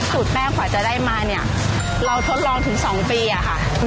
สูตรแป้งขอจะได้มาเราทดลองถึง๒ปีค่ะ